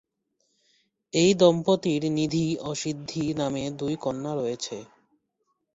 এই দম্পতির নিধি ও সিদ্ধি নামে দুই কন্যা রয়েছে।